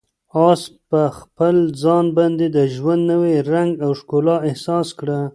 آس په خپل ځان باندې د ژوند نوی رنګ او ښکلا احساس کړه.